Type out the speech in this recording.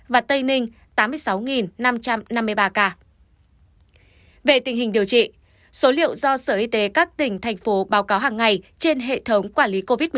về tình hình điều trị số liệu do sở y tế các tỉnh thành phố báo cáo hàng ngày trên hệ thống quản lý covid một mươi chín